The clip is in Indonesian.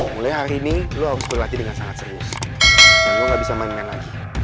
mulai hari ini lo harus berlatih dengan sangat serius dan gue ga bisa mainin lagi